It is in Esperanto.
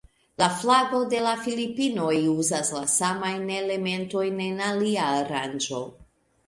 La flago de la Filipinoj uzas la samajn elementojn en alia aranĝo.